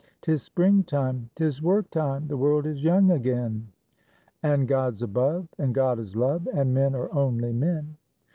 'Tis springtime! 'Tis work time! The world is young again! And God's above, and God is love, And men are only men.